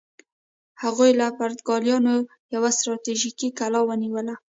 هغوی له پرتګالیانو یوه ستراتیژیکه کلا ونیوله.